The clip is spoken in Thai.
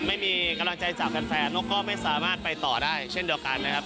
ไม่มีกำลังใจจากแฟนนกก็ไม่สามารถไปต่อได้เช่นเดียวกันนะครับ